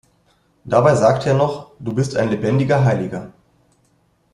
Dabei sagte er noch: „Du bist ein lebendiger Heiliger“.